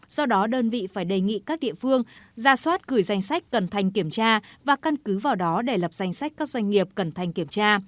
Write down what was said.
do đó đơn vị phải đề nghị các địa phương ra soát gửi danh sách cần thành kiểm tra và căn cứ vào đó để lập danh sách các doanh nghiệp cần thành kiểm tra